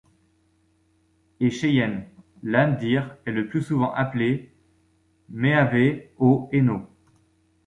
Eh cheyenne, Lame Deer est le plus souvent appelée Méave'ho'éno.